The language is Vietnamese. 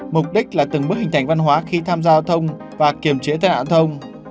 mục đích là từng bước hình thành văn hóa khi tham gia giao thông và kiểm trí tai nạn giao thông